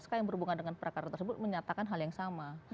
sk yang berhubungan dengan perkara tersebut menyatakan hal yang sama